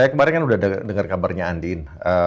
saya kemarin kan udah dengar kabarnya andin